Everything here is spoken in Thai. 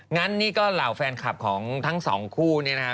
งั้นนี่ก็เหล่าแฟนคลับของทั้งสองคู่เนี่ยนะฮะ